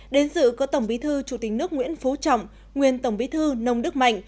đến dự có tổng bí thư chủ tịch nước nguyễn phú trọng nguyên tổng bí thư nông đức mạnh